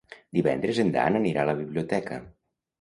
Divendres en Dan anirà a la biblioteca.